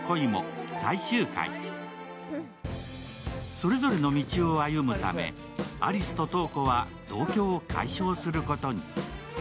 それぞれの道を歩むため有栖と瞳子は同居を解消することに。